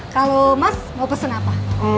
kalau mas mau pesen apa